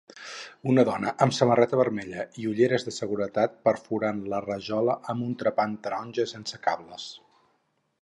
Una dona amb samarreta vermella i ulleres de seguretat perforant la rajola amb un trepant taronja sense cables